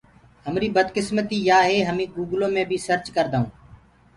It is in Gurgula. همريٚ بدڪسمتيٚ يآ هي هميٚنٚ گُوگلو مي بيٚ سرچ ڪردآئوٚنٚ۔